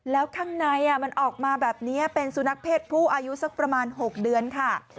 แล้วข้างในมันออกมาแบบนี้เป็นสุนัขเพศผู้อายุสักประมาณ๖เดือนค่ะ